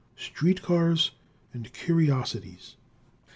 Street Cars and Curiosities.